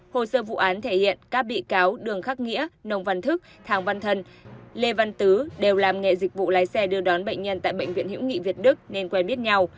hồ sơ vụ án thể hiện các bị cáo đường khắc nghĩa nông văn thức thàng văn thân lê văn tứ đều làm nghề dịch vụ lái xe đưa đón bệnh nhân tại bệnh viện hữu nghị việt đức nên quen biết nhau